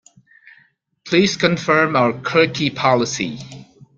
Please confirm our cookie policy.